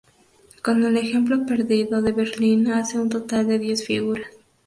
Con el ejemplo perdido de Berlín, hace un total de diez figuras.